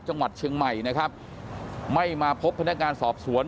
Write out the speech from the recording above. จังหวัดเชียงใหม่นะครับไม่มาพบพนักงานสอบสวน